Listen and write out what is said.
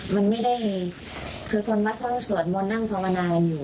มันไม่ได้คือคนวัดเขาสวดมนต์นั่งภาวนากันอยู่